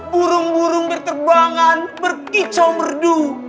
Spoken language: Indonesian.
burung burung berterbangan berkicau merdu